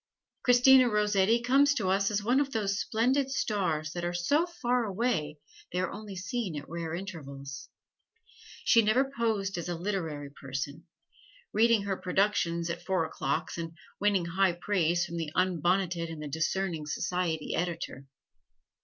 Christina Rossetti comes to us as one of those splendid stars that are so far away they are seen only at rare intervals. She never posed as a "literary person" reading her productions at four o'clocks, and winning high praise from the unbonneted and the discerning society editor.